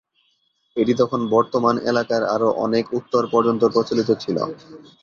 এটি তখন বর্তমান এলাকার আরও অনেক উত্তর পর্যন্ত প্রচলিত ছিল।